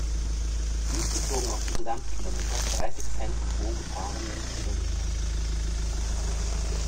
Dies bezogen auf die Gesamtkilometer, dreißig Cent pro gefahrenen Kilometer.